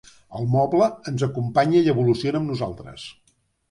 El moble ens acompanya i evoluciona amb nosaltres.